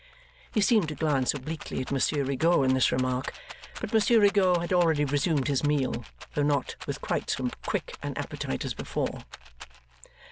He seemed to glance obliquely at Monsieur Rigaud in this remark; but Monsieur Rigaud had already resumed his meal, though not with quite so quick an appetite as before.